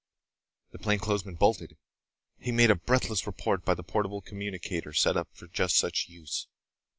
The plainclothesman bolted. He made a breathless report by the portable communicator set up for just such use.